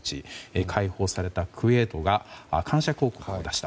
解放されたクウェートが感謝広告を出した。